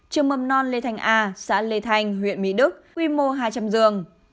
trường mầm non lê thành a xã lê thành huyện mỹ đức quy mô hai trăm linh giường